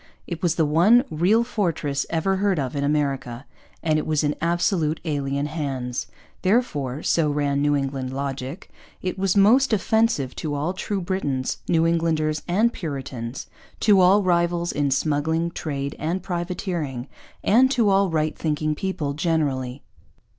It was the one real fortress ever heard of in America, and it was in absolutely alien hands; therefore, so ran New England logic, it was most offensive to all true Britons, New Englanders, and Puritans; to all rivals in smuggling, trade, and privateering; and to all right thinking people generally.